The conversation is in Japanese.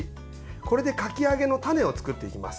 これでかき揚げのタネを作っていきます。